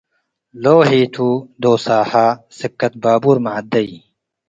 ሎሂ ቱ ዶሳሀ ስከት ባቡር መዐደይ